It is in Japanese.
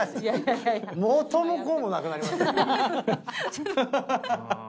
元も子もなくなりましたよ。